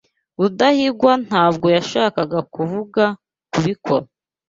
Rudahigwa ntabwo yashakaga kuvuga kubikora.